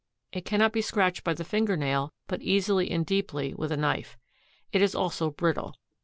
It cannot be scratched by the finger nail but easily and deeply with a knife. It is also brittle.